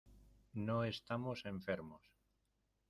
no estamos enfermos.